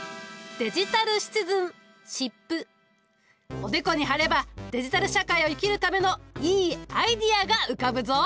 おでこに貼ればデジタル社会を生きるためのいいアイデアが浮かぶぞ。